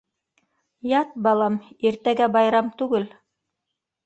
Ят, балам, иртәгә байрам түгел.